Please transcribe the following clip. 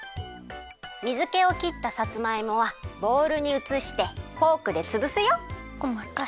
水けをきったさつまいもはボウルにうつしてフォークでつぶすよ。